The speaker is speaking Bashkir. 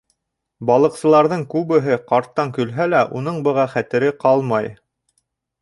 Балыҡсыларҙың күбеһе ҡарттан көлһә лә, уның быға хәтере ҡалмай.